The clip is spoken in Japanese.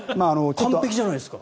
完璧じゃないですか。